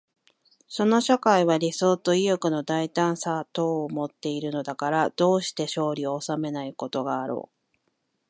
その社会は理想と意欲の大胆さとをもっているのだから、どうして勝利を収めないことがあろう。